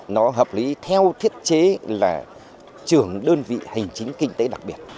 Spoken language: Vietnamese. nó hợp lý theo thiết chế là trưởng đơn vị hành chính kinh tế đặc biệt